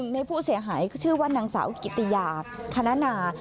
ในผู้เสียหายก็ชื่อว่านางสาวกิติยาคณา